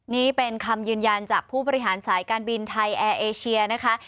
นี้เพียงคำยืนยันจากผู้ประหลังสายบินไทยแอร์เอเชีย